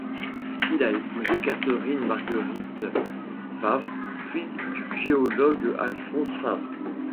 Il a épousé Catherine-Marguerite Favre, fille du géologue Alphonse Favre.